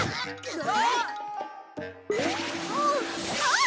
あっ。